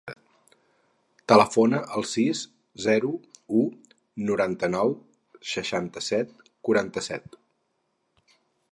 Telefona al sis, zero, u, noranta-nou, seixanta-set, quaranta-set.